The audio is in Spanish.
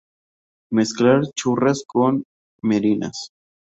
Mezclar churras con merinas